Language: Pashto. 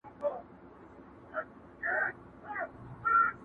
سړي وویل د کاکا زوی دي حاکم دئ،